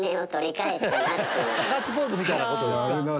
ガッツポーズみたいなこと。